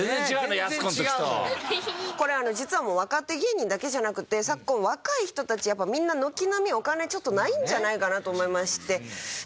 これ実は若手芸人だけじゃなくて昨今若い人たちやっぱみんな軒並みお金ちょっとないんじゃないかなと思いまして。